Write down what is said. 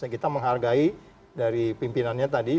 kita menghargai dari pimpinannya tadi